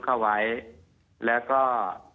ถ้าเกิดอะไรขึ้นนะครับ